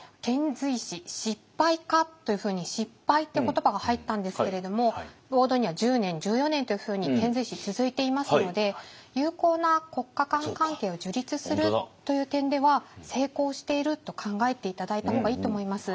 遣隋使「しっぱいか？」というふうに失敗って言葉が入ったんですけれどもボードには１０年１４年というふうに遣隋使続いていますので友好な国家間関係を樹立するという点では成功していると考えて頂いた方がいいと思います。